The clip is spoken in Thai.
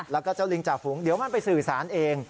แล้วก็เจ้าลิงจ่าฝูงเดี๋ยวมันไปสื่อสารเอง